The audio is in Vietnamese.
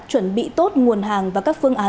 chuẩn bị tốt nguồn hàng và các phương tiện